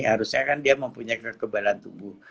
harusnya kan dia mempunyai kekebalan tubuh